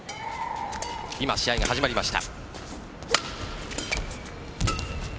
今、試合が始まりました。